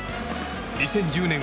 ２０１０年